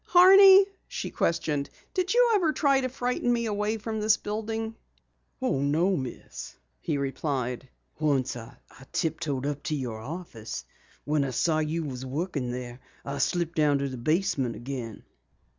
"Horney," she questioned, "did you ever try to frighten me away from this building?" "Oh, no, Miss," he replied. "Once I tiptoed up to your office. When I saw you were working there, I slipped down to the basement again."